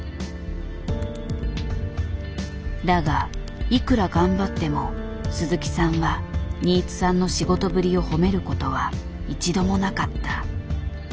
だがいくら頑張っても鈴木さんは新津さんの仕事ぶりを褒めることは一度もなかった。